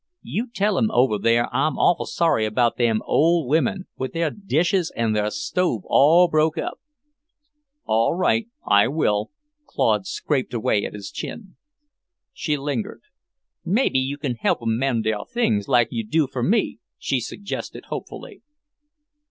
"You tell 'em over there I'm awful sorry about them old women, with their dishes an' their stove all broke up." "All right. I will." Claude scraped away at his chin. She lingered. "Maybe you can help 'em mend their things, like you do mine fur me," she suggested hopefully.